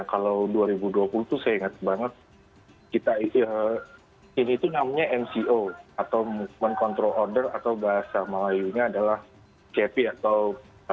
kalau dua ribu dua puluh tuh saya ingat banget ini tuh namanya mco atau movement control order atau bahasa melayunya adalah cepi atau